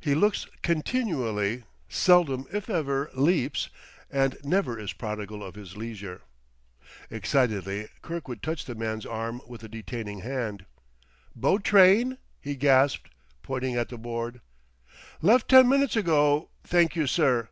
He looks continually, seldom, if ever, leaps, and never is prodigal of his leisure. Excitedly Kirkwood touched the man's arm with a detaining hand. "Boat train?" he gasped, pointing at the board. "Left ten minutes ago, thank you, sir."